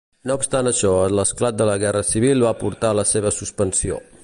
No obstant això, l'esclat de la Guerra Civil va portar la seva suspensió.